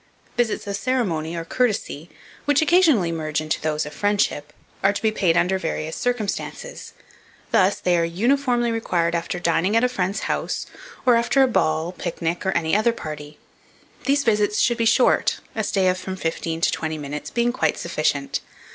Visits of ceremony, or courtesy, which occasionally merge into those of friendship, are to be paid under various circumstances. Thus, they are uniformly required after dining at a friend's house, or after a ball, picnic, or any other party. These visits should be short, a stay of from fifteen to twenty minutes being quite sufficient.